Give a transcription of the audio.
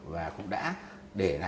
và cũng đã để lại